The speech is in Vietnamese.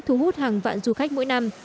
thú hút hàng vạn du khách mỗi năm